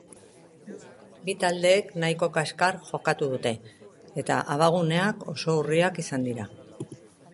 Bi taldeek nahiko kaskar jokatu dute, eta abaguneak oso urriak izan dira.